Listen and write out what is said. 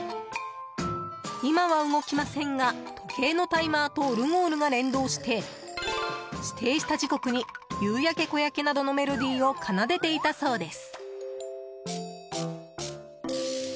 今は動きませんが時計のタイマーとオルゴールが連動して指定した時刻に「夕焼け小焼け」などのメロディーを奏でていたそうです。